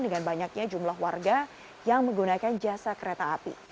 dengan banyaknya jumlah warga yang menggunakan jasa kereta api